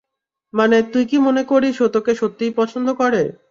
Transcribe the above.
মানে, তুই কি মনে করিস ও তোকে সত্যিই পছন্দ করে?